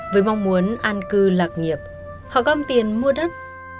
với mong muốn an cư lạc nghiệp họ gom tiền mua đất